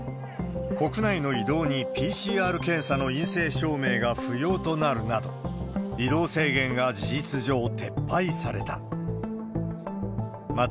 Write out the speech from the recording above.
国内の移動にＰＣＲ検査の陰性証明が不要となるなど、移動制限が事実上撤廃された。